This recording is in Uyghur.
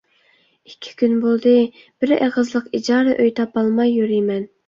ئىككى كۈن بولدى، بىر ئېغىزلىق ئىجارە ئۆي تاپالماي يۈرىمەن.